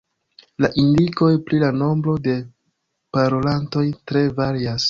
La indikoj pri la nombro de parolantoj tre varias.